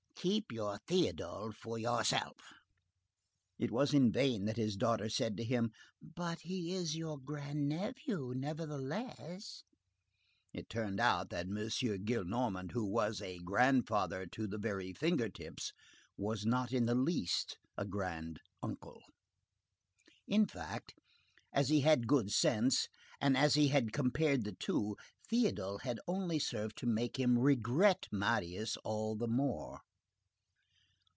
Keep your Théodule for yourself." It was in vain that his daughter said to him: "But he is your grandnephew, nevertheless,"—it turned out that M. Gillenormand, who was a grandfather to the very finger tips, was not in the least a grand uncle. In fact, as he had good sense, and as he had compared the two, Théodule had only served to make him regret Marius all the more.